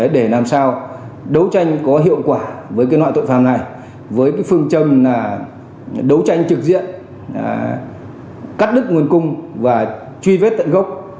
tổ chức đấu tranh trực diện cắt đứt nguồn cung và truy vết tận gốc